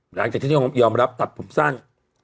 หลังจากที่ยอมรับตัดผมสั้น